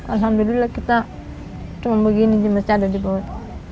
alhamdulillah kita cuma begini cuma ada di bawah